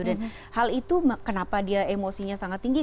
dan hal itu kenapa dia emosinya sangat tinggi